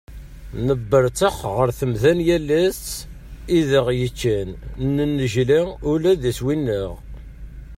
Nebberttex ɣer temda n layas i aɣ-yeččan, yennejla ula d iswi-nneɣ.